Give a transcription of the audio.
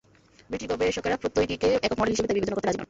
British গবেষকেরা প্রত্যয়টিকে একক মডেল হিসেবে তাই বিবেচনা করতে রাজি নন।